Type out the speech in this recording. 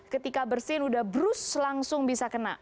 ketika bersin udah brus langsung bisa kena